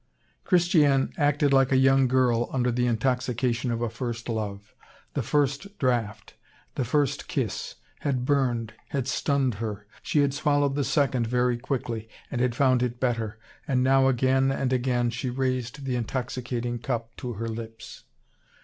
Christiane acted like a young girl under the intoxication of a first love. The first draught, the first kiss, had burned, had stunned her. She had swallowed the second very quickly, and had found it better, and now again and again she raised the intoxicating cup to her lips.